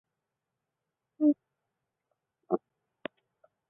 开了间工厂